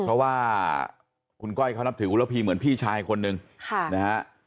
เพราะว่าคุณก้อยเขานับถือคุณระพีเหมือนพี่ชายคนหนึ่งนะฮะ